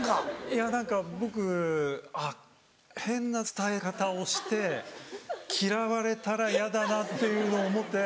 いや何か僕「あっ変な伝え方をして嫌われたらヤダな」っていうのを思って。